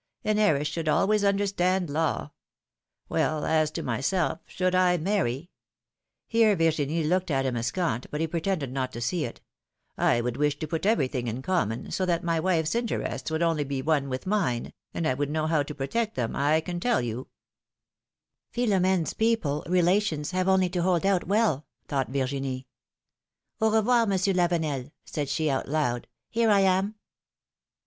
An heiress should always understand 118 PHILOMfcXE^S MARRIAGES. law! Well, as to myself, should I marry,^^ — here Vi r ginie looked at him askant, but he pretended not to see it — would wish to put everything in common, so that my wife's interests would only be one with mine, and I would know how to protect them, I can tell you Philom^ne's people (relations) have only to hold out well ! thought Virginie. revoir, Monsieur Lave nel,'' said she, out loud, here I am.